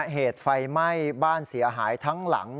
เหตุไฟไหม้บ้านเสียหายทั้งหลัง